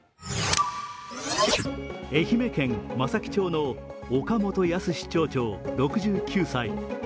愛媛県松前町の岡本靖町長６９歳。